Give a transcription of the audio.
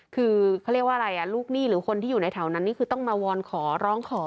คือเขาเรียกว่าอะไรลูกหนี้หรือคนที่อยู่ในแถวนั้นนี่คือต้องมาวอนขอร้องขอ